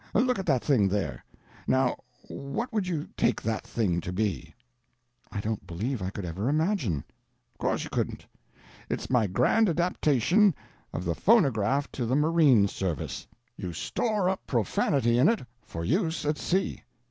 Look at that thing there. Now what would you take that thing to be?" "I don't believe I could ever imagine." "Of course you couldn't. It's my grand adaptation of the phonograph to the marine service. You store up profanity in it for use at sea.